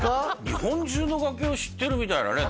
日本中の崖を知ってるみたいなね